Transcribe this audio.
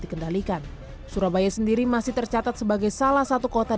yang menginginkan bahwa barikade misalnya dihubungi perhubungan republik disastrous